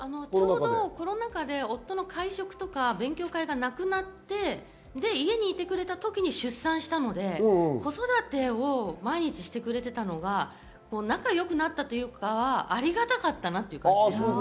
コロナ禍で夫も会食とか勉強会がなくなって、家にいてくれた時に出産したので、子育てを毎日してくれていたのが仲良くなったというか、ありがたかったです。